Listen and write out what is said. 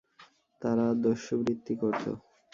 তারা দস্যুবৃত্তি করতো।